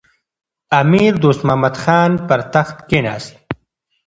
امیر دوست محمد خان پر تخت کښېناست.